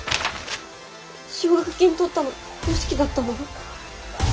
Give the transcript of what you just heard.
奨学金取ったの良樹だったの？